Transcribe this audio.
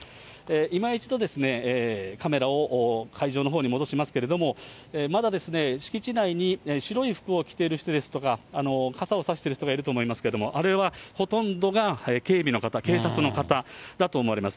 いま一度、カメラを会場のほうに戻しますけれども、まだ敷地内に白い服を着ている人ですとか、傘をさしている人がいると思いますけれども、あれはほとんどが警備の方、警察の方だと思われます。